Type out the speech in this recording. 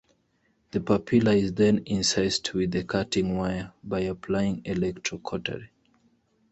The papilla is then incised with the cutting wire by applying electrocautery.